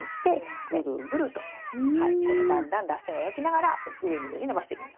このだんだんらせんを描きながら上に上に伸ばしていきます。